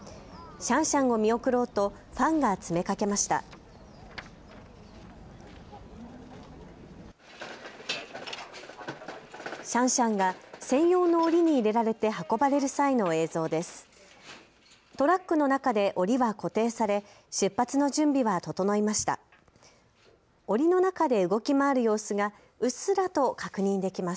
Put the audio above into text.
シャンシャンが専用のおりに入れられて運ばれる際の映像です。